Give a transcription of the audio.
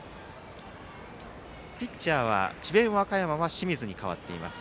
ピッチャーは、智弁和歌山は清水に代わっています。